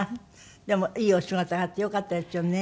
でもいいお仕事があってよかったですよね。